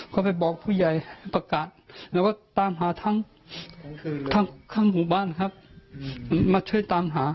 ก็ไปบอกผู้ใหญ่ประกาศแล้วก็ตามหาทั้งข้างหมู่บ้านครับมาช่วยตามหา